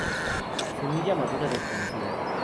Semilla madura desconocida.